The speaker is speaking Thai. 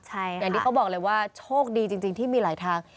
อย่างที่เขาบอกเลยว่าโชคดีจริงที่มีหลายทาง